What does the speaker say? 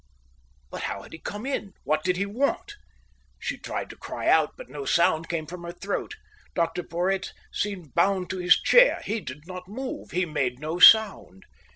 But how had he come in? What did he want? She tried to cry out, but no sound came from her throat. Dr Porhoët seemed bound to his chair. He did not move. He made no sound.